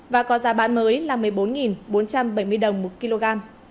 và có giá bán mới là một mươi bốn bốn trăm bảy mươi đồng một kg